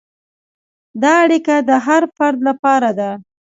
دا اړیکه د هر فرد لپاره ده.